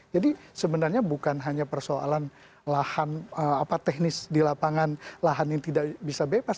jadi sebenarnya bukan hanya persoalan lahan apa teknis di lapangan lahan yang tidak bisa bebas